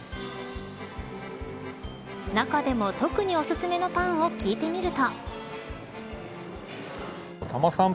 中でも特におすすめのパンを聞いてみると。